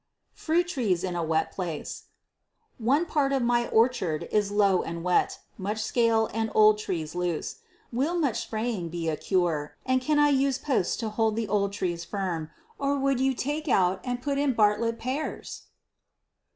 Fruit Trees in a Wet Place. One part of my orchard is low and wet, much scale and old trees loose. Will much spraying be a cure and can I use posts to hold the old trees firm, or would you take out and put in Bartlett pears!